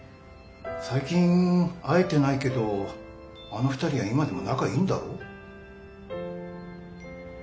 最近会えてないけどあの２人は今でも仲いいんだろ？